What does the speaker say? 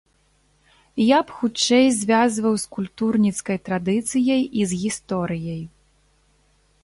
Я б хутчэй звязваў з культурніцкай традыцыяй і з гісторыяй.